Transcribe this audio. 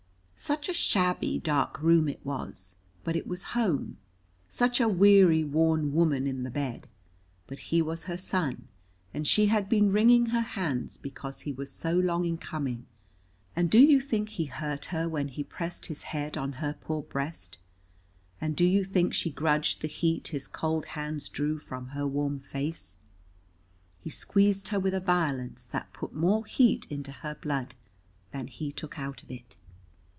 Such a shabby dark room it was, but it was home, such a weary worn woman in the bed, but he was her son, and she had been wringing her hands because he was so long in coming, and do you think he hurt her when he pressed his head on her poor breast, and do you think she grudged the heat his cold hands drew from her warm face? He squeezed her with a violence that put more heat into her blood than he took out of it.